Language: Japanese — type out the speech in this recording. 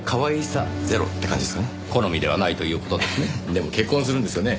でも結婚するんですよね？